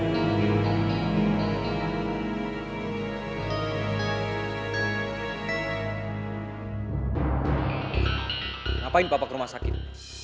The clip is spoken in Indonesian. ngapain papak rumah sakit